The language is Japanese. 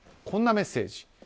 こんなメッセージ。